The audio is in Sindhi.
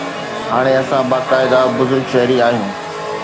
هاڻي اسان باقاعده بزرگ شهري آهيون.